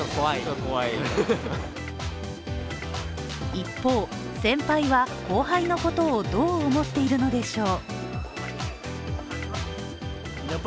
一方、先輩は後輩のことをどう思っているのでしょう。